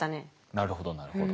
なるほどなるほど。